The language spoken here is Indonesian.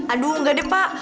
aduh enggak deh pak